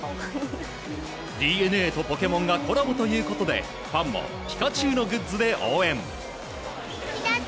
ＤｅＮＡとポケモンがコラボということでファンもピカチュウのグッズで応援。